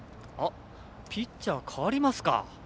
ピッチャー、代わりますか。